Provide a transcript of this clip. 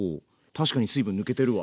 確かに水分抜けてるわ。